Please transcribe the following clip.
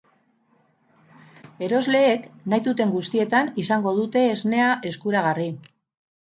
Erosleek nahi duten guztietan izango dute esnea eskuragarri.